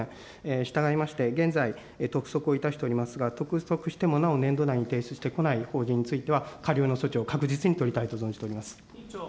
したがいまして、現在督促をいたしておりますが、督促してもなお年度内に提出してこない法人については、過料の措置を確実に取りたいと存じております。